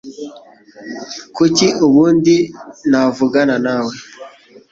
Kuki ubundi navugana nawe?